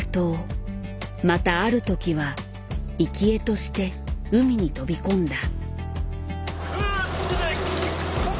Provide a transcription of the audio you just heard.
またある時は生き餌として海に飛び込んだ。